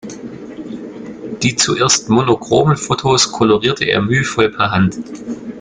Die zuerst monochromen Fotos kolorierte er mühevoll per Hand.